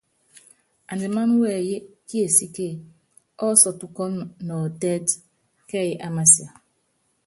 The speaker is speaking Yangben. Andimáná wɛyí kiesíke ɔ́sɔ́tukɔ́nɔ nɔɔtɛ́t kɛ́yí ámasia.